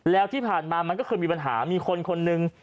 แล้วที่ผ่านมามันก็เคยมีปัญหามีคนคนหนึ่ง